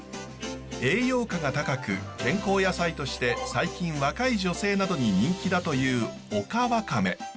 栄養価が高く健康野菜として最近若い女性などに人気だというオカワカメ。